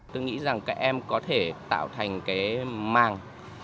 tôi nghĩ rằng các em có thể tạo thành cái màng